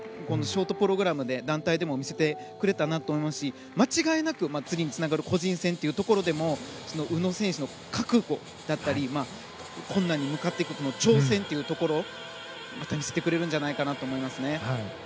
このショートプログラムで団体でも見せてくれたなと思いますし間違いなく次につながる個人戦というところでも宇野選手の覚悟だったり困難に向かっていく挑戦というところ、また見せてくれるんじゃないかなと思います。